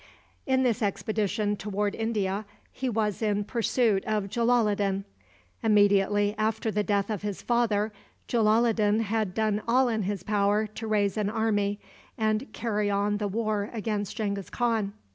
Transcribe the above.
In this expedition toward India he was in pursuit of Jalaloddin. Immediately after the death of his father, Jalaloddin had done all in his power to raise an army and carry on the war against Genghis Khan.